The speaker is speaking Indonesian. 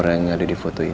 bagaimana ke demi demi